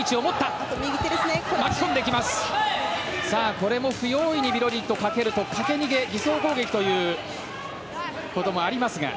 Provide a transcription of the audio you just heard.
これも不用意にビロディッドかけるとかけ逃げ、偽装攻撃ということもありますが。